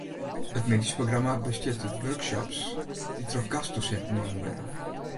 It middeisprogramma bestiet út workshops dy't troch gastdosinten jûn wurde.